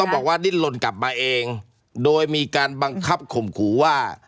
บอกว่าดิ้นลนกลับมาเองโดยมีการบังคับข่มขู่ว่า